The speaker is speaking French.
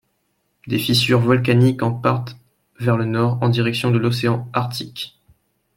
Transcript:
Des fissures volcaniques en partent vers le nord en direction de l'océan Arctique.